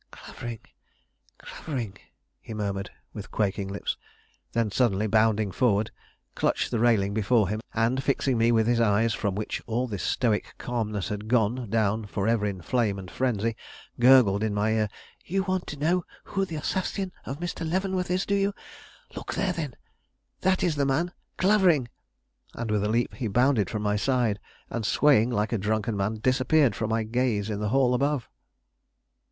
"Clavering, Clavering," he murmured with quaking lips; then, suddenly bounding forward, clutched the railing before him, and fixing me with his eyes, from which all the stoic calmness had gone down forever in flame and frenzy, gurgled into my ear: "You want to know who the assassin of Mr. Leavenworth is, do you? Look there, then: that is the man, Clavering!" And with a leap, he bounded from my side, and, swaying like a drunken man, disappeared from my gaze in the hall above.